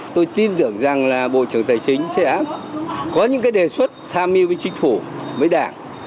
tôi tin tưởng rằng là bộ trưởng tài chính sẽ có những cái đề xuất tham mưu với chính phủ với đảng